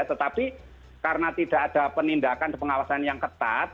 tetapi karena tidak ada penindakan pengawasan yang ketat